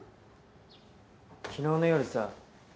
昨日の夜さ